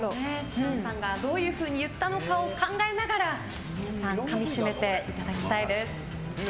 チャンさんがどういうふうに言ったのかを考えながら、皆さんかみしめていただきたいです。